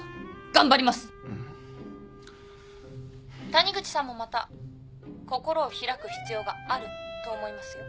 谷口さんもまた心を開く必要があると思いますよ。